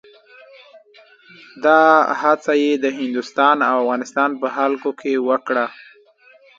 دا هڅه یې د هندوستان او افغانستان په خلکو کې وکړه.